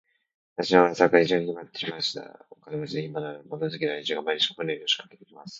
私の噂は国中にひろまってしまいました。お金持で、暇のある、物好きな連中が、毎日、雲のように押しかけて来ます。